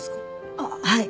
ああはい。